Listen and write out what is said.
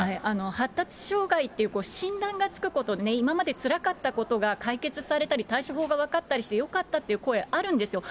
発達障害っていう診断がつくことね、今までつらかったことが解決されたり、対処法が分かったりしてよかったっていう声、あるんですよ。